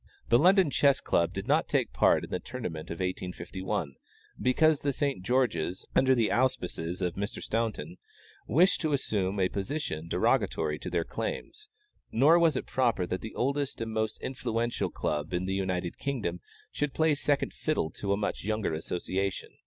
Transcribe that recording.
The London Chess Club did not take part in the Tournament of 1851, because the St. George's, under the auspices of Mr. Staunton, wished to assume a position derogatory to their claims; nor was it proper that the oldest and most influential Club in the United Kingdom should play second fiddle to a much younger association.